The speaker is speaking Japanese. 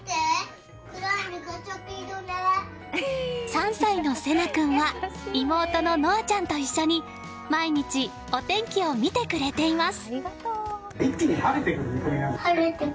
３歳の惺南君は妹の希空ちゃんと一緒に毎日、お天気を見てくれています。